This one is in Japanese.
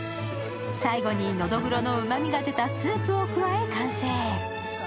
最後にのどぐろのうまみが出たスープを加え完成。